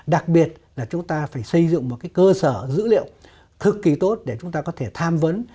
đặc biệt là chúng ta phải xây dựng một cái cơ sở dữ liệu cực kỳ tốt để chúng ta có thể tham vấn